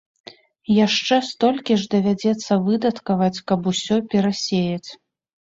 Яшчэ столькі ж давядзецца выдаткаваць, каб усё перасеяць.